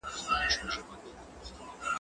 هغه څوک چي کالي مينځي روغ وي؟